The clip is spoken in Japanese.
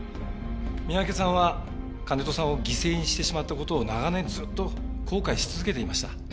三宅さんは金戸さんを犠牲にしてしまった事を長年ずっと後悔し続けていました。